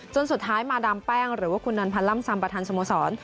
จนสุดท้ายมาดามแป้งหรือว่าคุณนันพลันร่ำสัมปฐานสมสร